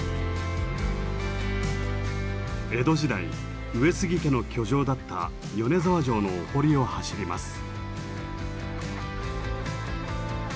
江戸時代上杉家の居城だった米沢城のお堀を走ります。